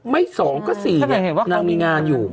๒ก็๔นางมีงานอยู่